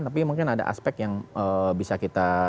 tapi mungkin ada aspek yang bisa kita